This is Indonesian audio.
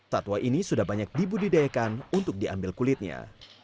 satwa ini sudah banyak dibudidayakan untuk diambil kulitnya